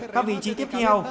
các vị trí tiếp theo